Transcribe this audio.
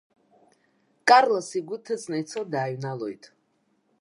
Карлос игәы ҭыҵны ицо дааҩналоит.